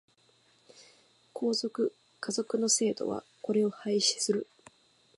皇族、華族の制度はこれを廃止する。